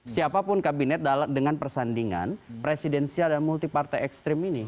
siapapun kabinet dengan persandingan presidensial dan multi partai ekstrim ini